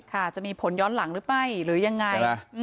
จะมีผลย้อนหลังหรือไม่หรือยังไง